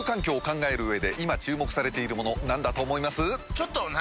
ちょっと何？